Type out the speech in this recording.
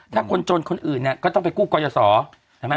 ถ้าคนจนคนอื่นเนี่ยก็ต้องไปกู้กรยาศรใช่ไหม